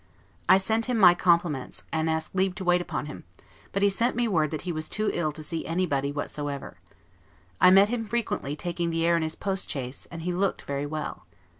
I sent him my compliments, and asked leave to wait upon him; but he sent me word that he was too ill to see anybody whatsoever. I met him frequently taking the air in his post chaise, and he looked very well.